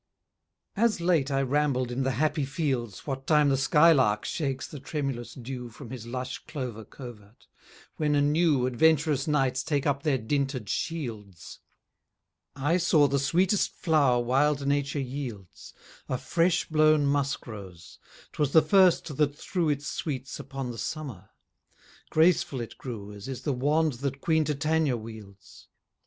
_ As late I rambled in the happy fields, What time the sky lark shakes the tremulous dew From his lush clover covert; when anew Adventurous knights take up their dinted shields: I saw the sweetest flower wild nature yields, A fresh blown musk rose; 'twas the first that threw Its sweets upon the summer: graceful it grew As is the wand that queen Titania wields.